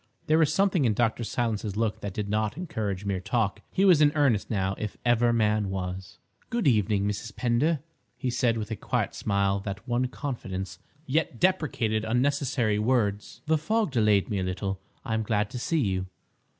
There was something in Dr. Silence's look that did not encourage mere talk. He was in earnest now, if ever man was. "Good evening, Mrs. Pender," he said, with a quiet smile that won confidence, yet deprecated unnecessary words, "the fog delayed me a little. I am glad to see you."